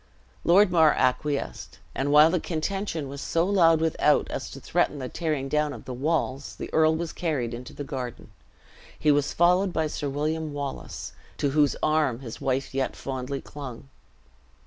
Lord Mar acquiesced; and while the contention was so loud without, as to threaten the tearing down of the walls, the earl was carried into the garden. He was followed by Sir William Wallace, to whose arm his wife yet fondly clung.